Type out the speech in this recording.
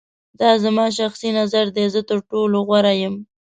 دا زما شخصی نظر دی. زه تر ټولو غوره یم.